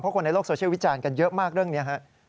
คนในโลกโซเชียลวิจารณ์กันเยอะมากเรื่องนี้ครับ